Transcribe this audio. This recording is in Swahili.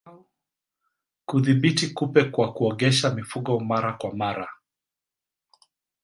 Kudhibiti kupe kwa kuogesha mifugo mara kwa mara